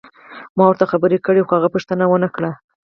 ما ورته خبرې کړې وې خو هغه پوښتنه ونه کړه.